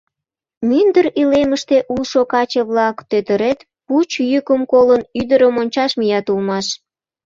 Мӱндыр илемыште улшо каче-влак, тӧтырет пуч йӱкым колын, ӱдырым ончаш мият улмаш.